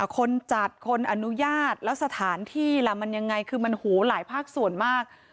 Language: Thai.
คนจัดคนอนุญาตแล้วสถานที่ล่ะมันยังไงคือมันหูหลายภาคส่วนมาก